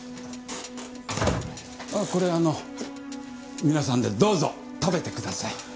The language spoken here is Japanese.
あっこれあの皆さんでどうぞ食べてください。